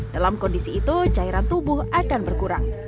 dalam kondisi itu cairan tubuh akan berkurang